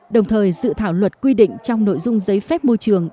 đồng thời dự thảo luật quy định trong nội dung giấy phép môi trường